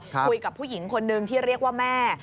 คุยกับผู้หญิงคนนึงที่เรียกว่าแม่